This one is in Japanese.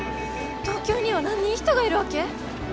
東京には何人人がいるわけ？